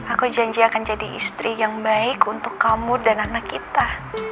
aku janji akan jadi istri yang baik untuk kamu dan anak kita